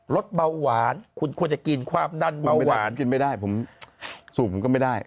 สเบาหวานคุณควรจะกินความดันเบาหวานกินไม่ได้ผมสูบมันก็ไม่ได้